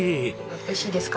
おいしいですか？